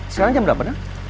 sekarang jam delapan ya